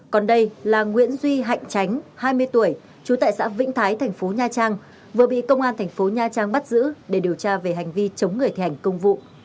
còn đây là nguyễn duy hạnh tránh hai mươi tuổi trú tại xã vĩnh thái tp nha trang vừa bị công an tp nha trang bắt giữ để điều tra về hành vi chống người thi hành công vụ